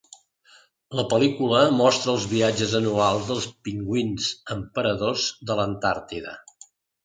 La pel·lícula mostra els viatges anuals dels pingüins emperadors de l'Antàrtida.